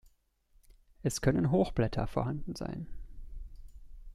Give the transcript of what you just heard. Es können Hochblätter vorhanden sein.